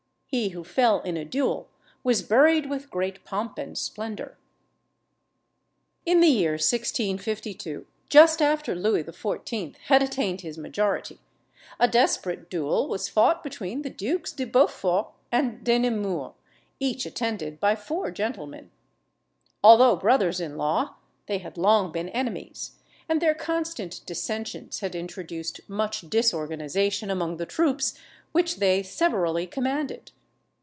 He who fell in a duel was buried with great pomp and splendour. In the year 1652, just after Louis XIV. had attained his majority, a desperate duel was fought between the Dukes de Beaufort and De Nemours, each attended by four gentlemen. Although brothers in law, they had long been enemies, and their constant dissensions had introduced much disorganisation among the troops which they severally commanded.